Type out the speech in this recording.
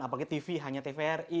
apa itu tv yang hanya tvri